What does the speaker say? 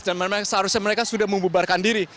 dan memang seharusnya mereka sudah membebarkan diri